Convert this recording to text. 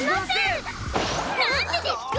なんでですか！？